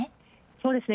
そうですね。